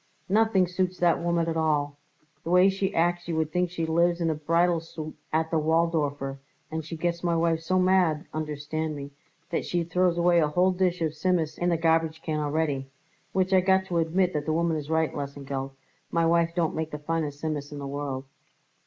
Nothing suits that woman at all. The way she acts you would think she lives in the bridal soot at the Waldorfer, and she gets my wife so mad, understand me, that she throws away a whole dish of Tzimmus in the garbage can already which I got to admit that the woman is right, Lesengeld my wife don't make the finest Tzimmus in the world."